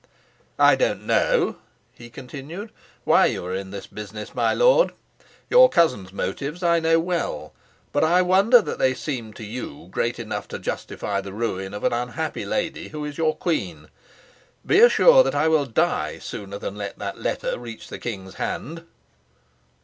"I don't know," he continued, "why you are in this business, my lord. Your cousin's motives I know well. But I wonder that they seemed to you great enough to justify the ruin of an unhappy lady who is your queen. Be assured that I will die sooner than let that letter reach the king's hand."